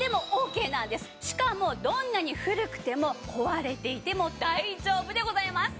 しかもどんなに古くても壊れていても大丈夫でございます。